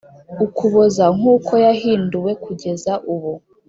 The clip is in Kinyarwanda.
Ukuboza nk uko yahinduwe kugeza ubu